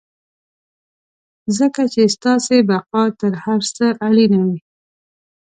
ځکه چې ستاسې بقا تر هر څه اړينه وي.